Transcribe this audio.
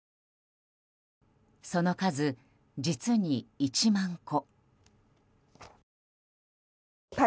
その数、実に１万個。